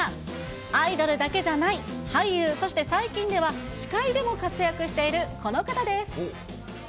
アイドルだけじゃない、俳優、そして最近では司会でも活躍しているこの方です。